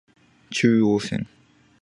中央線